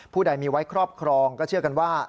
ใดมีไว้ครอบครองก็เชื่อกันว่า